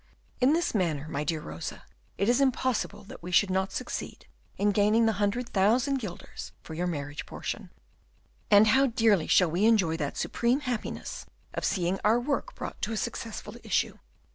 In this manner, my dear Rosa, it is impossible that we should not succeed in gaining the hundred thousand guilders for your marriage portion; and how dearly shall we enjoy that supreme happiness of seeing our work brought to a successful issue!"